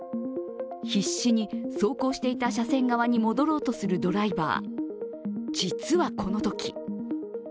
必死に走行していた車線側に戻ろうとするドライバー。